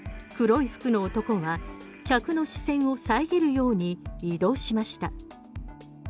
黒い服の男は客の視線を遮るように移動しました。